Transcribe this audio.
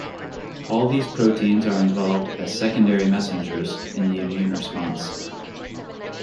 All these proteins are involved as secondary messengers in the immune response.